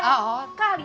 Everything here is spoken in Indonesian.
ada juga hotel bu